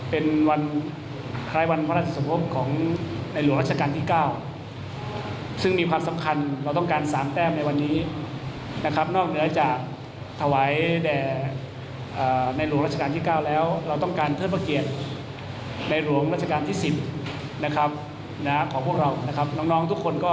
เป็นหลายวันพระราชสมภพของ